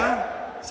sangat luar biasa